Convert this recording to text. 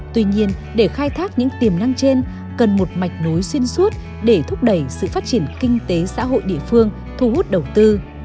tuy nhiên để khai thác những tiềm năng trên cần một mạch nối xuyên suốt để thúc đẩy sự phát triển kinh tế xã hội địa phương thu hút đầu tư